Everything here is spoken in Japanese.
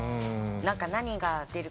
何が出るかな？